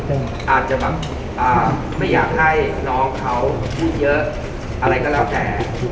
อาจจะแบบไม่อยากให้น้องเขาพูดเยอะอะไรก็แล้วแต่